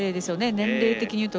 年齢的に言うと。